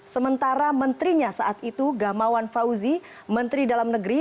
sementara menterinya saat itu gamawan fauzi menteri dalam negeri